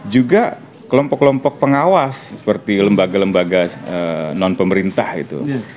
juga kelompok kelompok pengawas seperti lembaga lembaga non pemerintah itu